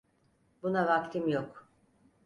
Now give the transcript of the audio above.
Buna vaktim yok.